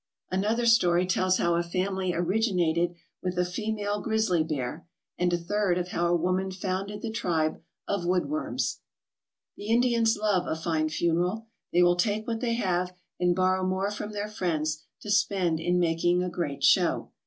Another story tells how a family originated with a female grizzly bear, and a third of how a woman founded the tribe of Woodworms. The Indians love a fine funeral. They will take what they have and borrow more from their friends to spend in making a great show.